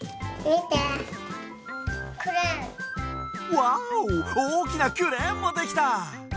おおきなクレーンもできた！